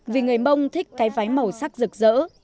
vì người mông thích cái váy màu sắc rực rỡ